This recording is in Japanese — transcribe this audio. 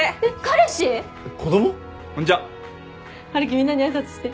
みんなに挨拶して。